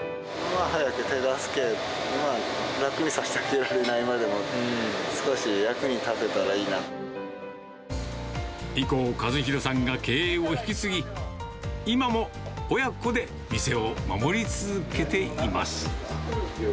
手助け、楽にさせてあげられないまでも、以降、和宏さんが経営を引き継ぎ、今も親子で店を守り続けています。